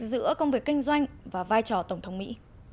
giữa công việc kinh doanh và vai trò tổng thống mỹ